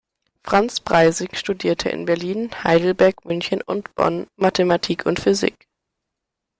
Franz Breisig studierte in Berlin, Heidelberg, München und Bonn Mathematik und Physik.